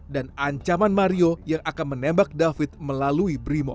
dan ancaman mario yang akan menembak david melalui brimo